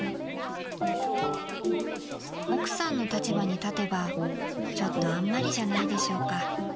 ［奥さんの立場に立てばちょっとあんまりじゃないでしょうか？］